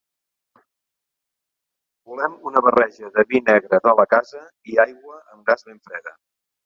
Volem una barreja de vi negre de la casa, i aigua amb gas ben freda.